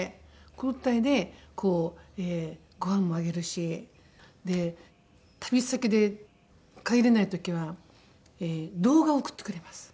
交代でごはんもあげるし旅先で帰れない時は動画を送ってくれます。